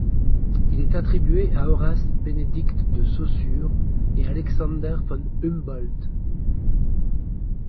Il est attribué à Horace-Bénédict de Saussure et Alexander von Humboldt.